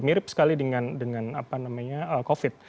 mirip sekali dengan covid